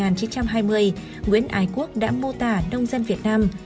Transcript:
nguyễn ái quốc đã mô tả nông dân việt nam